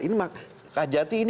ini mah kajati ini